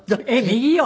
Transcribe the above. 右よ。